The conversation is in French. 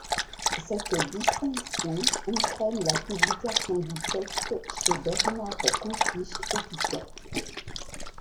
Cette distinction entraîne la publication du texte chez Bernard Campiche éditeur.